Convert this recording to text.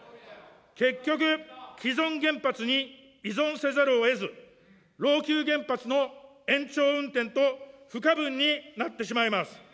結局、既存原発に依存せざるをえず、老朽原発の延長運転と不可分になってしまいます。